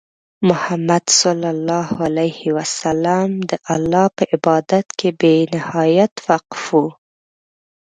محمد صلى الله عليه وسلم د الله په عبادت کې بې نهایت وقف وو.